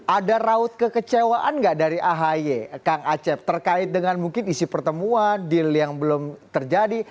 ada raut kekecewaan nggak dari ahy kang acep terkait dengan mungkin isi pertemuan deal yang belum terjadi